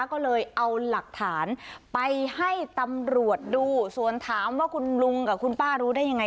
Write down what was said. ก็เลยเอาหลักฐานไปให้ตำรวจดูส่วนถามว่าคุณลุงกับคุณป้ารู้ได้ยังไง